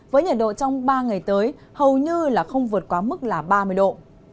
với nhiệt độ trong ba ngày tới hầu như là không vượt quá mức là ba mươi độ